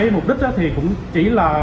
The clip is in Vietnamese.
mục đích cũng chỉ là